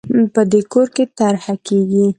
په دې کور کې طرحه کېږي